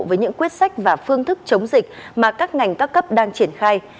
với những quyết sách và phương thức chống dịch mà các ngành các cấp đang triển khai